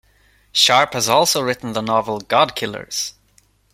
Sharp has also written the novel "God Killers".